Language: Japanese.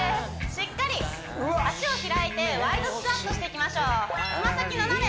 しっかり足を開いてワイドスクワットしていきましょう爪先斜め